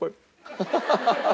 ハハハハ。